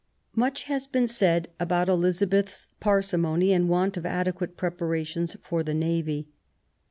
Much has been said about Elizabeth's parsi mony, and want of adequate preparations for the navy.